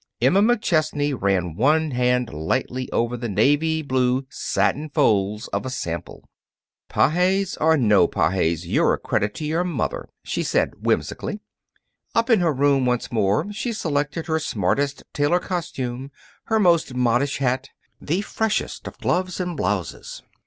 Emma McChesney ran one hand lightly over the navy blue satin folds of a sample. "Pages or no Pages, you're a credit to your mother," she said, whimsically. Up in her room once more, she selected her smartest tailor costume, her most modish hat, the freshest of gloves and blouses.